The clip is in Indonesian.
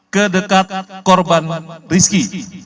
ke dekat korban rizki